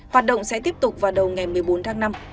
hoạt động sẽ tiếp tục vào đầu ngày một mươi bốn tháng năm